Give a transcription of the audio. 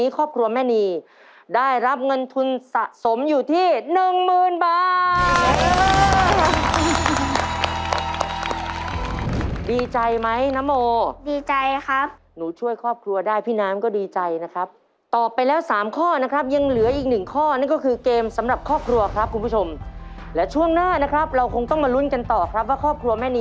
ขอให้หนูได้เป็นคุณครูนะลูกน้าครับ